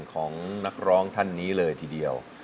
ของนักร้องท่านนี้เลยทีเดียว